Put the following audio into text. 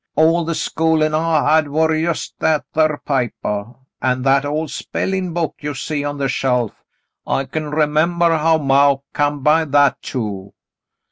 All the schoolin' I had war just that thar papah, an' that old spellin' book you see on the shelf ; I c'n remembah how maw come by that, too."